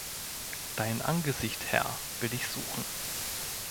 Dein Angesicht, Herr, will ich suchen.